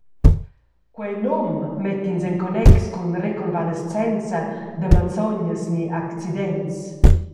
Quei num mett’ins en connex cun reconvalescenza da malsognas ni accidents.